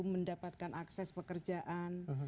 mendapatkan akses pekerjaan